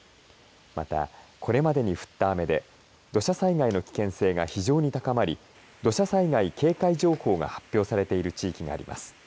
また、これまでに降った雨で土砂災害の危険性が非常に高まり土砂災害警戒情報が発表されている地域があります。